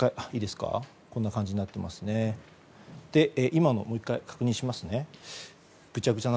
今のをもう１回確認しますね。